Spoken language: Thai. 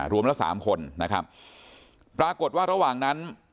ละสามคนนะครับปรากฏว่าระหว่างนั้น